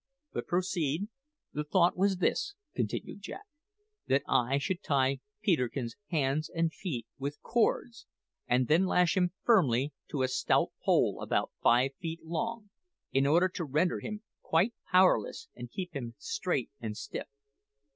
But proceed." "The thought was this," continued Jack "that I should tie Peterkin's hands and feet with cords, and then lash him firmly to a stout pole about five feet long, in order to render him quite powerless and keep him straight and stiff.